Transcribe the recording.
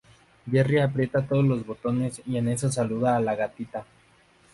Jerry aprieta todos los botones y en eso saluda a la gatita.